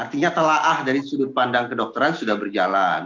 artinya telah dari sudut pandang kedokteran sudah berjalan